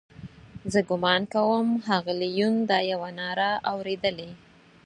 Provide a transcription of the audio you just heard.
زه ګومان کوم ښاغلي یون دا یوه ناره اورېدلې.